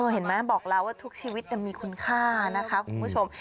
เห็นไหมบอกแล้วว่าทุกชีวิตมีคุณค่านะคะคุณผู้ชม